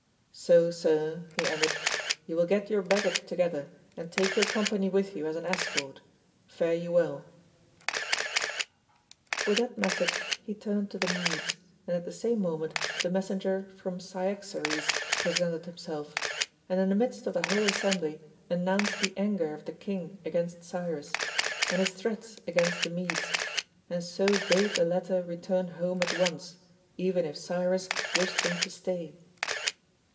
So, sir," he ended, "you will get your baggage together, and take your company with you as an escort. Fare you well." With that message he turned to the Medes and at the same moment the messenger from Cyaxares presented himself, and in the midst of the whole assembly announced the anger of the king against Cyrus, and his threats against the Medes, and so bade the latter return home at once, even if Cyrus wished them to stay.